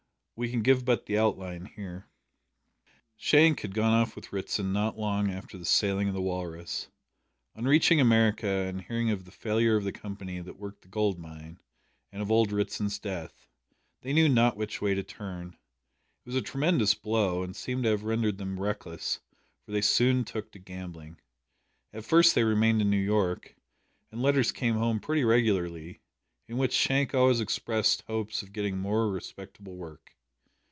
We can give but the outline here. Shank had gone off with Ritson not long after the sailing of the Walrus. On reaching America, and hearing of the failure of the company that worked the gold mine, and of old Ritson's death, they knew not which way to turn. It was a tremendous blow, and seemed to have rendered them reckless, for they soon took to gambling. At first they remained in New York, and letters came home pretty regularly, in which Shank always expressed hopes of getting more respectable work.